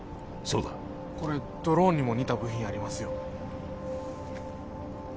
そうだこれドローンにも似た部品ありますよ